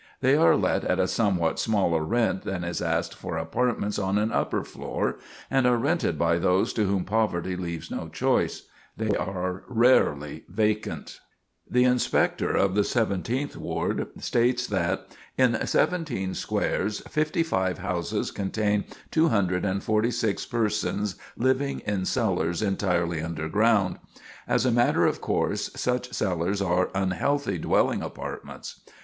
They are let at a somewhat smaller rent than is asked for apartments on an upper floor, and are rented by those to whom poverty leaves no choice. They are rarely vacant." The Inspector of the Seventeenth Ward states that: "In 17 squares 55 houses contain 246 persons living in cellars entirely underground. As a matter of course such cellars are unhealthy dwelling apartments.